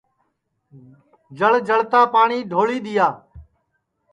جݪ جݪتا پاٹؔی ڈھولی دؔیا